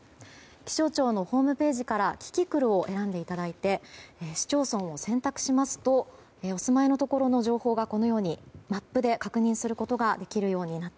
気象庁のホームページからキキクルを選んでいただいて市町村を選択しますとお住まいのところの情報をこのようにマップで確認することができます。